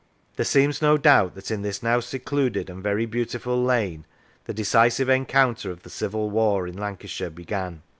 There seems no doubt that in this now secluded and very beautiful lane, the decisive encounter of the Civil War in Lancashire began.